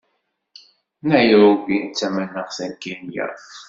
Nayṛubi d tamanaxt n Kinya